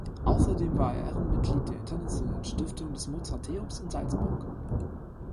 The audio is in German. Außerdem war er Ehrenmitglied der internationalen Stiftung des Mozarteums in Salzburg.